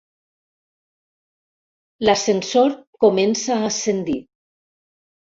L'ascensor comença a ascendir.